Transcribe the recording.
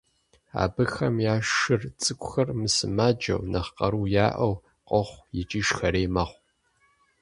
Абыхэм я шыр цӀыкӀухэр мысымаджэу, нэхъ къару яӀэу къохъу икӀи шхэрей мэхъу.